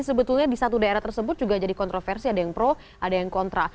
sebetulnya di satu daerah tersebut juga jadi kontroversi ada yang pro ada yang kontra